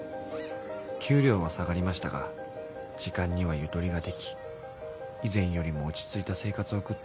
［給料は下がりましたが時間にはゆとりができ以前よりも落ち着いた生活を送っています］